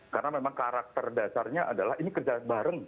karena memang karakter dasarnya adalah ini kerja bareng